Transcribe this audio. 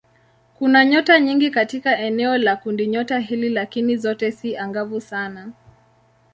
Kuna nyota nyingi katika eneo la kundinyota hili lakini zote si angavu sana.